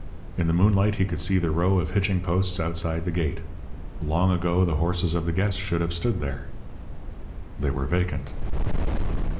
In the moonlight he could see the row of hitching posts outside the gate. Long ago the horses of the guests should have stood there. They were vacant.